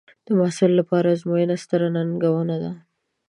د محصل لپاره ازموینه ستره ننګونه ده.